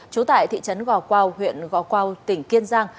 trú tại thị trấn gò quao huyện gò quao tỉnh kiên giang